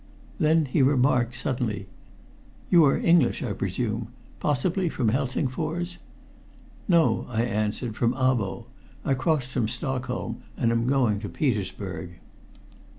Then he remarked suddenly "You are English, I presume possibly from Helsingfors?" "No," I answered. "From Abo. I crossed from Stockholm, and am going to Petersburg."